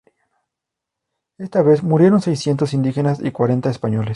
Esta vez murieron seiscientos indígenas y cuarenta españoles.